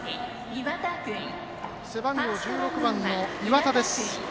背番号１６番の岩田です。